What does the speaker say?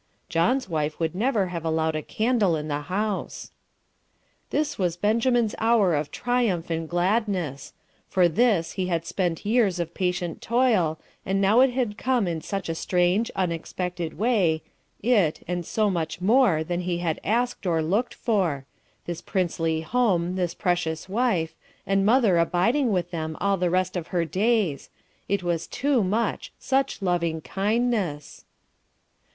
(John's wife would never have allowed a candle in the house.) This was Benjamin's hour of triumph and gladness; for this he had spent years of patient toil, and now it had come in such a strange, unexpected way, it, and so much more than he had asked or looked for; this princely home, this precious wife, and mother abiding with them all the rest of her days; it was too much, such loving kindness!